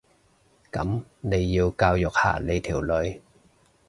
噉你要教育下你條女